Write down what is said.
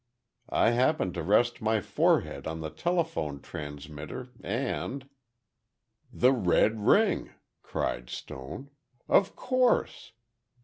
I happened to rest my forehead on the telephone transmitter, and—" "The red ring!" cried Stone. "Of course!"